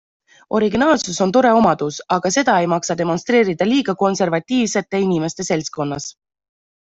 Originaalsus on tore omadus, aga seda ei maksa demonstreerida liiga konservatiivsete inimeste seltskonnas.